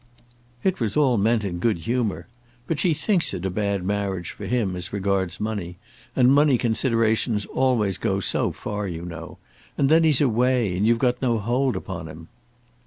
"It was all meant in good humour. But she thinks it a bad marriage for him as regards money, and money considerations always go so far, you know. And then he's away, and you've got no hold upon him."